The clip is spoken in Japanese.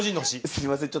すいません